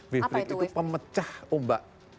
web brick itu pemecah ombak